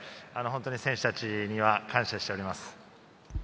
本当に選手達には感謝しています。